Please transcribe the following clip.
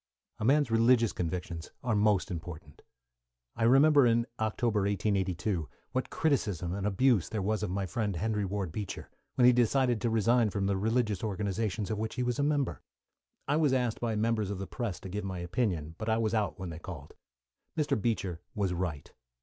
A man's religious convictions are most important. I remember in October, 1882, what criticism and abuse there was of my friend Henry Ward Beecher, when he decided to resign from the religious associations of which he was a member. I was asked by members of the press to give my opinion, but I was out when they called. Mr. Beecher was right.